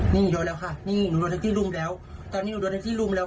นี่เดอะแล้วค่ะนี่หนูโดยเท็กซี่ลุมแล้ว